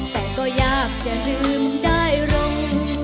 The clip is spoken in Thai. แต่ก็ยากจะลืมได้ลง